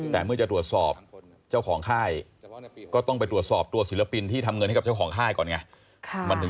แต่เมื่อจะตรวจสอบเจ้าของค่ายก็ต้องไปตรวจสอบตัวศิลปินที่ทำเงินให้กับเจ้าของค่ายก่อนไง